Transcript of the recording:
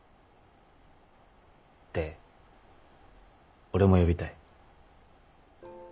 って俺も呼びたい。